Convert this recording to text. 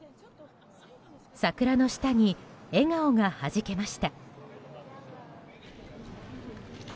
桜の下に笑顔がはじけました。